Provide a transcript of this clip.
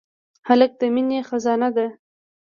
هلک د مینې خزانه ده.